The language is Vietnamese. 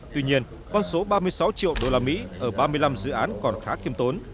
tuy nhiên con số ba mươi sáu triệu usd ở ba mươi năm dự án còn khá khiêm tốn